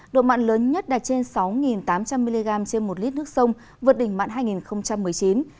độ mặn lớn nhất đạt trên sáu tám trăm linh mg trên một lít nước sông vượt đỉnh mặn hai nghìn một mươi chín